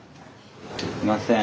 すいません。